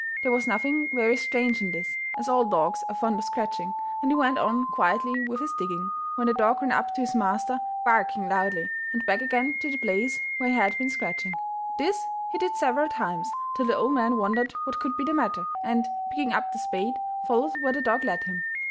There was nothing very strange in this, as all dogs are fond of scratching, and he went on quietly with his digging, when the dog ran up to his master, barking loudly, and back again to the place where he had been scratching. This he did several times, till the old man wondered what could be the matter, and, picking up the spade, followed where the dog led him.